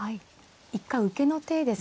一回受けの手ですね。